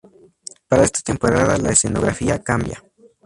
Para esta temporada la escenografía cambia.